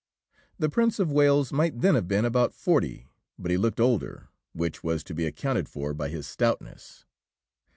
The Prince of Wales might then have been about forty, but he looked older, which was to be accounted for by his stoutness.